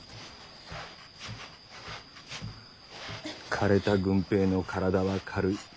かれた郡平の体は軽い。